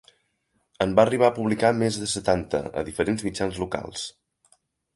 En va arribar a publicar més de setanta a diferents mitjans locals.